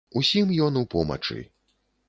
Усім ён у помачы.